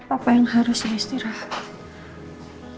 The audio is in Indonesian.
apa yang harusnya istirahat